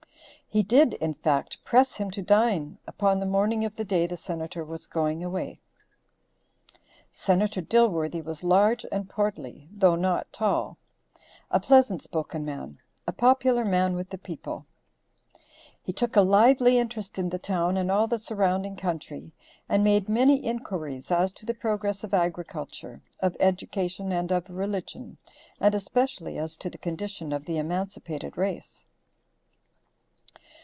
He did, in fact, press him to dine upon the morning of the day the Senator was going away. Senator Dilworthy was large and portly, though not tall a pleasant spoken man, a popular man with the people. He took a lively interest in the town and all the surrounding country, and made many inquiries as to the progress of agriculture, of education, and of religion, and especially as to the condition of the emancipated race.